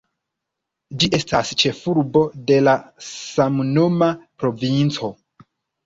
Ĝi estas ĉefurbo de la samnoma provinco.